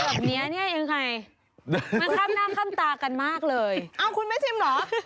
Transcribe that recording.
มาข้ามน้ำข้ามตากันมากเลย